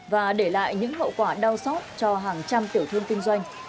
và để lại những hậu quả đau sót cho hàng trăm tiểu thương